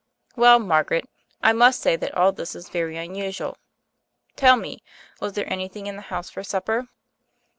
"Well, Margaret, I must say that all this is very unusual. Tell me — was there anything in the house for supper?"